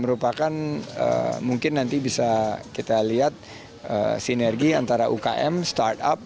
merupakan mungkin nanti bisa kita lihat sinergi antara ukm startup